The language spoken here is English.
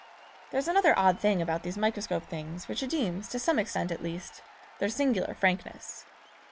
There's another odd thing about these microscope things which redeems, to some extent at least, their singular frankness.